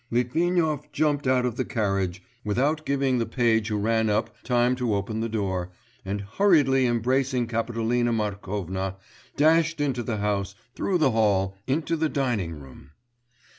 Litvinov jumped out of the carriage, without giving the page who ran up time to open the door, and hurriedly embracing Kapitolina Markovna, dashed into the house, through the hall, into the dining room....